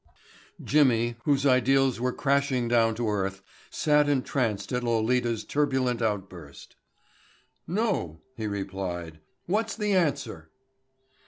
Jimmy, whose ideals were crashing down to earth, sat entranced at Lolita's turbulent outburst. "No," he replied. "What's the answer?"